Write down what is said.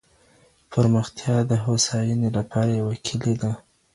پرمختيا د هوساينې لپاره يوه کلۍ ده.